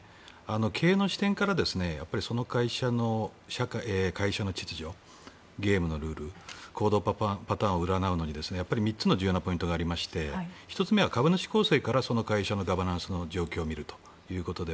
経営の視点からその会社の秩序やゲームのルール行動パターンを占うのに３つの重要なポイントがありまして１つ目は株主構成からその会社のガバナンスの状況を見るということです。